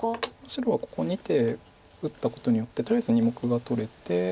白はここ２手打ったことによってとりあえず２目が取れて。